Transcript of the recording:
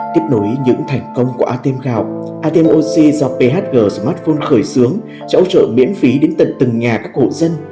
tiếp nối những thành công của atm gạo atmoc do phg smartphone khởi xướng sẽ hỗ trợ miễn phí đến tận từng nhà các hộ dân